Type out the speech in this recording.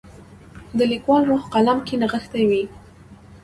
د لیکوال روح قلم کې نغښتی وي.